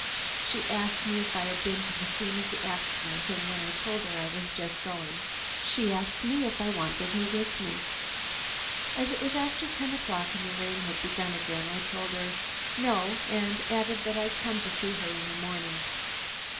She asked me if I had been to the scene of the accident, and when I told her I was just going, she asked me if I wanted her with me. As it was after ten o'clock and the rain had begun again, I told her "No," and added that I'd come to see her in the morning.